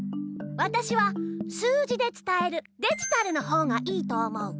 わたしは数字でつたえるデジタルのほうがいいと思う。